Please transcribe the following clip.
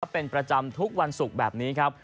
เป็นประจำทุกวันศุกร์แบบนี้ครับ